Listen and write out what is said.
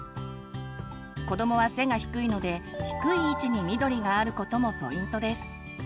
子どもは背が低いので低い位置に緑があることもポイントです。